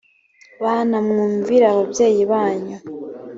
bana mwumvire ababyeyi banyu